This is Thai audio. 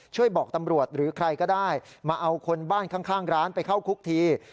ช่วยบอกตำรวจหรือใครก็ได้มาเอาคนบ้านข้างร้านไปเข้าคุกที